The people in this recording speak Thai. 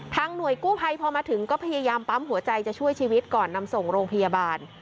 หน่วยกู้ภัยพอมาถึงก็พยายามปั๊มหัวใจจะช่วยชีวิตก่อนนำส่งโรงพยาบาล